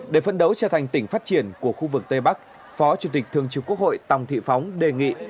để phân đấu trở thành tỉnh phát triển của khu vực tây bắc phó chủ tịch thường trực quốc hội tòng thị phóng đề nghị